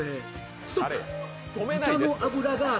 ストップ。